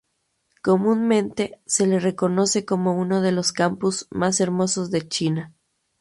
Comúnmente se le reconoce como uno de los campus más hermosos de China.